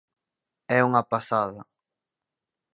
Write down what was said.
É unha pasada.